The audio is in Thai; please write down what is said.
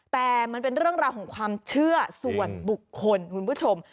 แต่มันเป็นเรื่องราวของความเชื่อส่วนบุคคลคุณผู้ชม